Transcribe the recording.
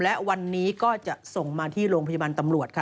และวันนี้ก็จะส่งมาที่โรงพยาบาลตำรวจค่ะ